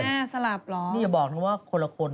นี่อย่าบอกว่าคนละคน